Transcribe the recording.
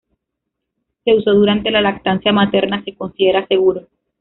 Su uso durante la lactancia materna se considera seguro.